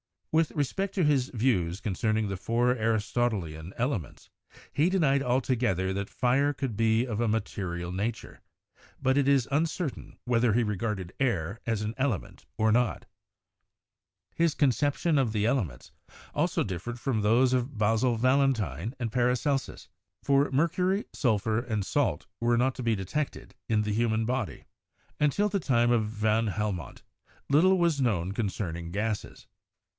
With respect to his views concerning the four Aristotelian elements, he denied alto gether that fire could be of a material nature, but it is un certain whether he regarded air as an element or not. PERIOD OF MEDICAL MYSTICISM 71 His conception of the elements also differed from those of Basil Valentine and Paracelsus, for mercury, sulphur and salt were not to be detected in the human body. Until the time of van Helmont little was known con cerning gases.